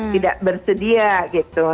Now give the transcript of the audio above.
tidak bersedia gitu